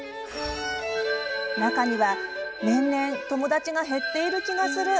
中には、「年々友達が減っている気がする」